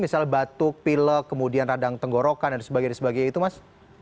misalnya batuk pilek kemudian radang tenggorokan dan sebagainya itu mas